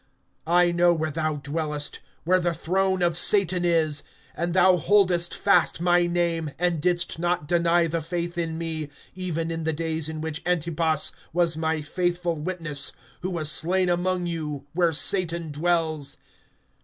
(13)I know where thou dwellest, where the throne of Satan is; and thou holdest fast my name, and didst not deny the faith in me, even in the days in which Antipas was my faithful witness, who was slain among you, where Satan dwells.